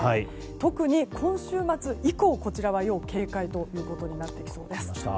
特に、今週末以降こちらは要警戒となってきそうです。